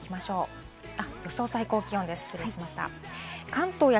予想最高気温です。